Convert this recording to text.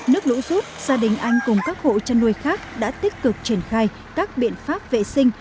nước lũ rút gia đình anh cùng các hộ chăn nuôi khác đã tích cực triển khai các biện pháp vệ sinh